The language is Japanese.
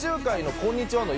こんにちは。